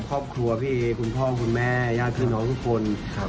ครอบครัวพี่เอคุณพ่อคุณแม่ญาติพี่น้องทุกคนครับ